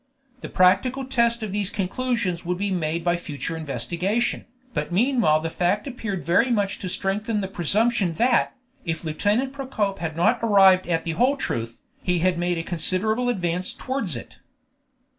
The practical test of these conclusions would be made by future investigation, but meanwhile the fact appeared very much to strengthen the presumption that, if Lieutenant Procope had not arrived at the whole truth, he had made a considerable advance towards it.